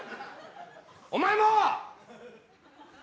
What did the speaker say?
お前も！